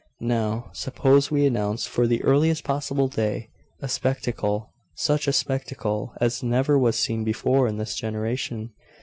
Now, suppose we announce, for the earliest possible day a spectacle such a spectacle as never was seen before in this generation.